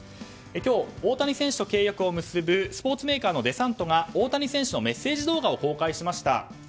今日、大谷選手と契約を結ぶスポーツメーカーのデサントが大谷選手のメッセージ動画を公開しました。